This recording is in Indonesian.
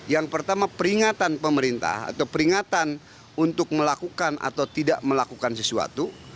yang pertama peringatan pemerintah atau peringatan untuk melakukan atau tidak melakukan sesuatu